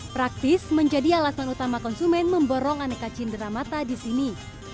praktis menjadi alasan utama konsumen memborong aneka cindera mata di sini